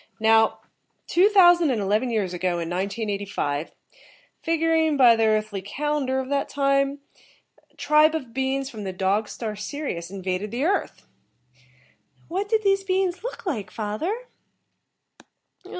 "Now: two thousand and eleven years ago in 1985, figuring by the earthly calendar of that time, a tribe of beings from the Dog star Sirius invaded the earth." "And what did these beings look like, father?"